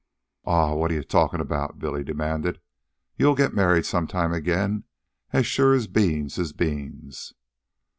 "Aw, what are you talkin' about?" Billy demanded. "You'll get married some time again as sure as beans is beans."